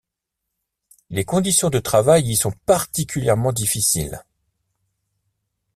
Les conditions de travail y sont particulièrement difficiles.